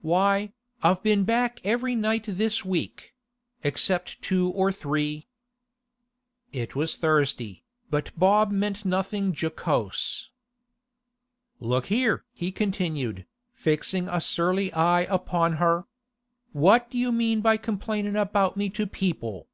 Why, I've been back every night this week—except two or three.' It was Thursday, but Bob meant nothing jocose. 'Look here!' he continued, fixing a surly eye upon her. 'What do you mean by complaining about me to people?